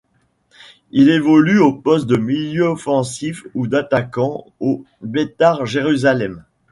Il évolue au poste de milieu offensif ou d'attaquant au Beitar Jérusalem.